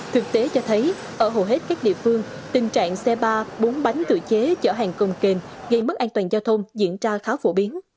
thực tế cho thấy ở hầu hết các địa phương tình trạng xe ba bốn bánh tự chế chở hàng công kênh gây mất an toàn giao thông diễn ra khá phổ biến